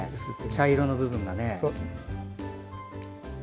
茶色の部分が。